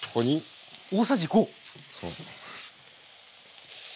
大さじ５。